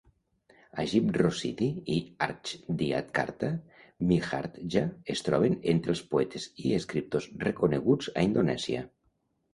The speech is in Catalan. Ajip Rosidi i Achdiat Karta Mihardja es troben entre els poetes i escriptors reconeguts a Indonèsia.